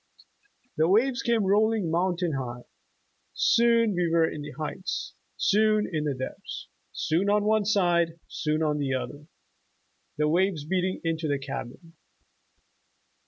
The waves came rolling mountain high; soon we were in the heights; soon in the depths; soon on one side; soon on the other, the waves beating into the cabin."